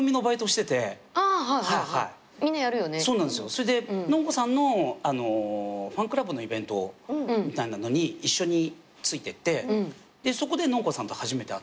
それでノン子さんのファンクラブのイベントみたいなのに一緒についてってそこでノン子さんと初めて会ったんです。